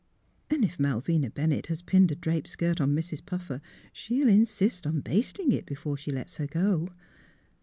And if Malvina Bennett has pinned a draped skirt on Mrs. Puffer, she'll insist on basting it before she lets her go."